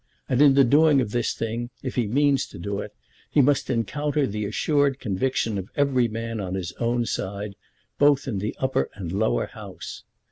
And in the doing of this thing, if he means to do it, he must encounter the assured conviction of every man on his own side, both in the upper and lower House.